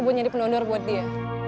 buat jadi penondor buat dia